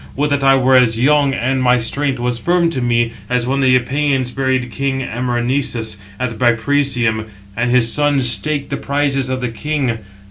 Would that I were as young, and my strength was firm to me, as when the Epeans buried king Amarynceus at Byprasium, and his sons staked the prizes of the king.